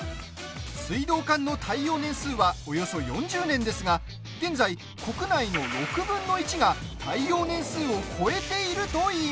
水道管の耐用年数はおよそ４０年ですが現在、国内の６分の１が耐用年数を超えているといいます。